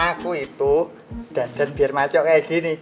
aku itu dan biar maco kayak gini